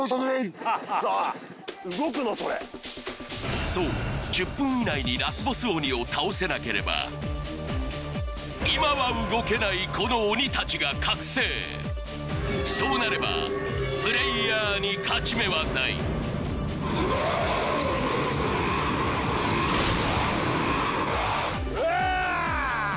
クソッそう１０分以内にラスボス鬼を倒せなければ今は動けないこの鬼たちが覚醒そうなればプレイヤーに勝ち目はないうわ！